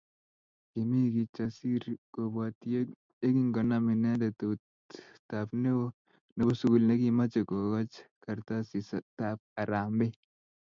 Kimi Kijasiri kobwati yekingonam inendet eutab neo nebo sukul ne kimoche kokoch kartasitab harambee